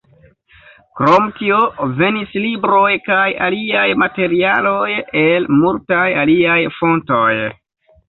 Krom tio, venis libroj kaj aliaj materialoj el multaj aliaj fontoj.